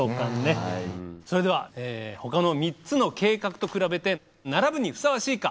それではほかの３つの計画と比べて並ぶにふさわしいか？